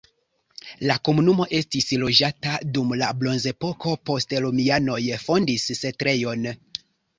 La komunumo estis loĝata dum la bronzepoko, poste romianoj fondis setlejon.